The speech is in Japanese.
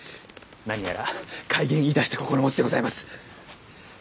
何やら開眼いたした心持ちでございます。